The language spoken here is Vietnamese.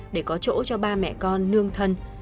để có chỗ cho ba mẹ con nương thân